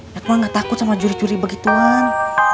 ya aku mah nggak takut sama juri juri begituan